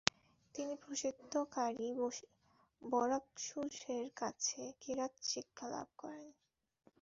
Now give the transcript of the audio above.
তিনি প্রসিদ্ধ কারী বরকসুসের কাছে কেরাত শিক্ষালাভ করেন।